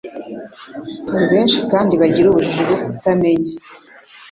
Hari benshi kandi bagira ubujiji bwo kutamenya